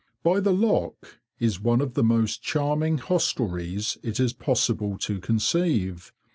By the lock is one of the most charming hostelries it is possible to conceive.